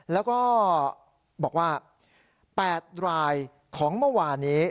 แล้วก็บอกว่า๘รายของเมื่อวานี้